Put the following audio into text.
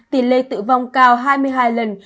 tỷ lệ tự vong cao hai mươi hai lần